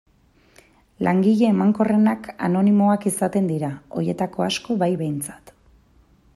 Langile emankorrenak anonimoak izaten dira, horietako asko bai behintzat.